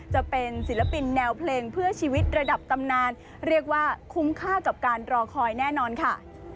จะเป็นศิลปินแนวเพลงเพื่อชีวิตระดับตำนานเรียกว่าคุ้มค่ากับการรอคอยแน่นอนค่ะ